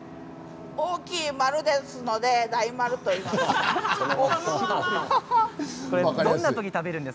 大きい丸ですので大丸といいます。